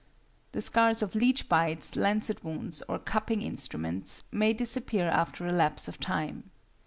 The scars of leech bites, lancet wounds, or cupping instruments, may disappear after a lapse of time.